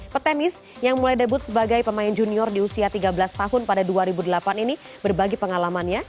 petenis yang mulai debut sebagai pemain junior di usia tiga belas tahun pada dua ribu delapan ini berbagi pengalamannya